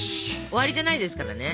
終わりじゃないですからね。